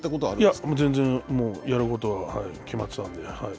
いや、もう全然、やることは、はい、決まってたので。